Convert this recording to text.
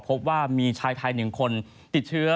พบว่ามีชายไทย๑คนติดเชื้อ